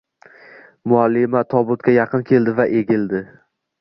Muallima tobutga yaqin keldi va egilldi.